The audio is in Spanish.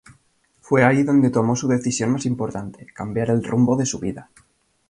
Fue ahí donde tomó su decisión más importante: cambiar el rumbo de su vida.